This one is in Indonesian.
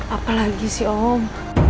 apalagi sih om